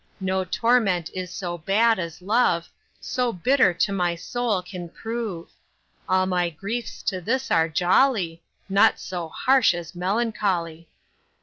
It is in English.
No torment is so bad as love, So bitter to my soul can prove. All my griefs to this are jolly, Naught so harsh as melancholy.